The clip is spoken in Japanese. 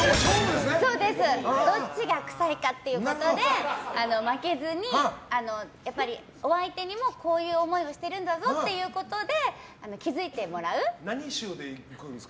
どっちが臭いかということで負けずにお相手にも、こういう思いをしてるんだぞということで何臭でいくんですか？